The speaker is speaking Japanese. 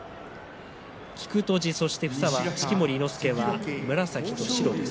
菊綴きくとじ、房は式守伊之助は紫と白です。